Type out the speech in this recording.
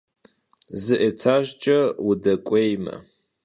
Zı etajjç'e vudek'uêyme.